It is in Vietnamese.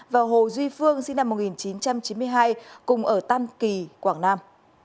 và hồ duy phương sinh năm một nghìn chín trăm chín mươi hai cùng ở tam kỳ quảng nam